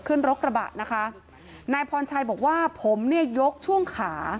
ขึ้นรถกระบะนะคะนายพรชัยบอกว่าผมเนี่ยยกช่วงขา